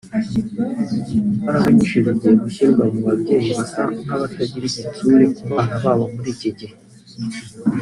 Imbaraga nyinshi zigiye gushyirwa mu babyeyi basa nk’abatakigira igitsure kubana babo muri iki gihe